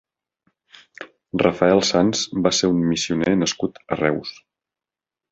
Rafael Sans va ser un missioner nascut a Reus.